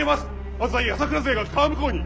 浅井朝倉勢が川向こうに。